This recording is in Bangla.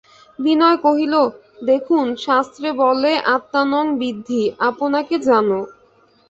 বিনয় কহিল, দেখুন, শাস্ত্রে বলে, আত্মানং বিদ্ধি– আপনাকে জানো।